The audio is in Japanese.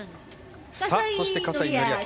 そして、葛西紀明。